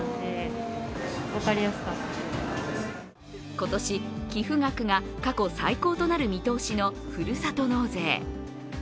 今年、寄付額が過去最高となる見通しのふるさと納税。